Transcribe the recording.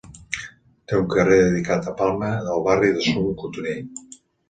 Té un carrer dedicat a Palma al barri de Son Cotoner.